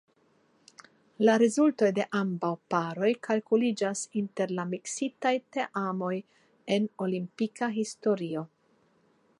La rezultoj de ambaŭ paroj kalkuliĝas inter la miksitaj teamoj en olimpika historio.